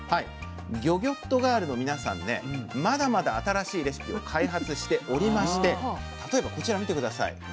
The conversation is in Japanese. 魚魚っとガールの皆さんねまだまだ新しいレシピを開発しておりまして例えばこちら見て下さい。